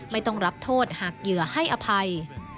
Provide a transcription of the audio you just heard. ไม่ต้องรับโทษหากเหยื่อให้อภัย